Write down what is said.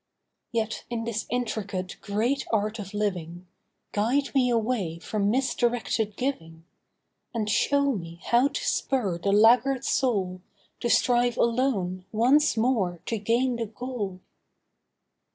Yet in this intricate great art of living Guide me away from misdirected giving, And show me how to spur the laggard soul To strive alone once more to gain the goal.